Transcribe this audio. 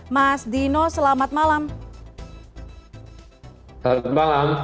mas dino selamat malam